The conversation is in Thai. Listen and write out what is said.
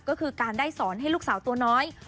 ก็คือการได้สอนให้ลูกสาวตัวน้อย